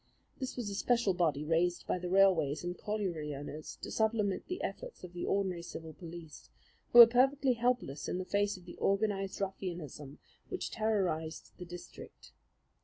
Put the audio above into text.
This was a special body raised by the railways and colliery owners to supplement the efforts of the ordinary civil police, who were perfectly helpless in the face of the organized ruffianism which terrorized the district.